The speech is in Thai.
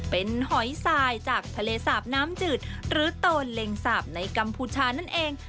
เป็นหอยสายจากทะเลสาบน้ำจืดหรือโตนเล็งสาบในกัมพูชานั่นเอง